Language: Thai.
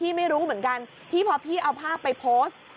ไม่รู้เหมือนกันที่พอพี่เอาภาพไปโพสต์